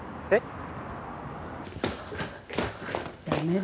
えっ？